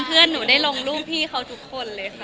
เพื่อนหนูได้ลงรูปพี่เขาทุกคนเลยค่ะ